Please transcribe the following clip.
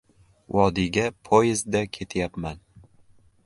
Vodiyga poyezdda ketyapman.